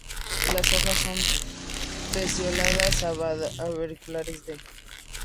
Las hojas son pecioladas, ovada-orbiculares, de.